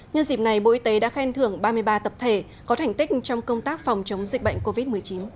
nhân dịp này bộ y tế đã khen thưởng ba mươi ba tập thể có thành tích trong công tác phòng chống dịch bệnh covid một mươi chín